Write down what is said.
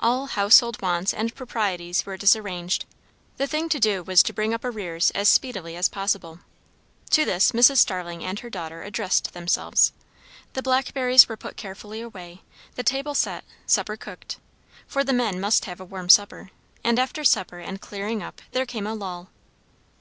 All household wants and proprieties were disarranged; the thing to do was to bring up arrears as speedily as possible. To this Mrs. Starling and her daughter addressed themselves. The blackberries were put carefully away; the table set, supper cooked, for the men must have a warm supper; and after supper and clearing up there came a lull.